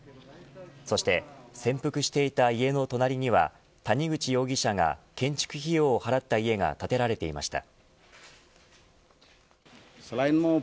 そして潜伏していた家の隣には谷口容疑者が建築費用を払った家が建てられていました。